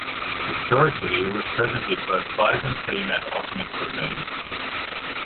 Historically it was present in both Byzantine and Ottoman cuisines.